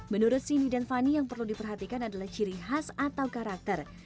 menurut sini dan fanny yang perlu diperhatikan adalah ciri khas atau karakter